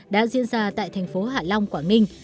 đã diễn ra tại thành phố hạ long quảng ninh